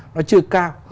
nó chưa cao